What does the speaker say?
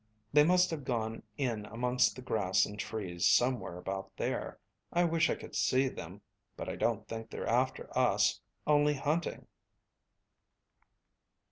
They must have gone in amongst the grass and trees somewhere about there. I wish I could see them. But I don't think they're after us only hunting."